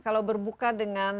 kalau berbuka dengan